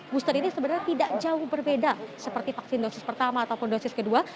booster ini sebenarnya tidak jauh berbeda seperti vaksin dosis pertama ataupun dosis kedua